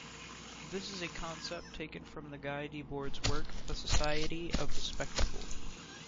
This is a concept taken from Guy Debord's work "The Society of the Spectacle".